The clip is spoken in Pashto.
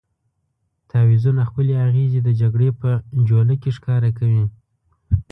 تعویضونه خپلې اغېزې د جګړې په جوله کې ښکاره کوي.